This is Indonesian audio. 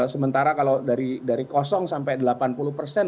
sementara kalau dari kosong sampai delapan puluh persen